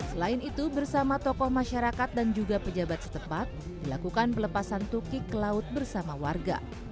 selain itu bersama tokoh masyarakat dan juga pejabat setepat dilakukan pelepasan tukik ke laut bersama warga